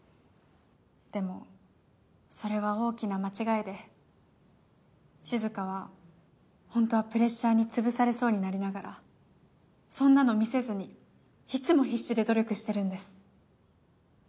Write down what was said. でもそれは大きな間違いでしず香はホントはプレッシャーにつぶされそうになりながらそんなの見せずにいつも必死で努力してるんです。